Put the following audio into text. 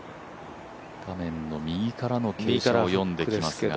画面の右からの傾斜を読んできますが。